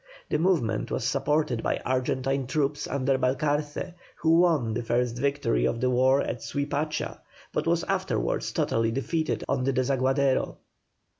The movement was supported by Argentine troops under Balcarce, who won the first victory of the war at Suipacha, but was afterwards totally defeated on the Desaguadero.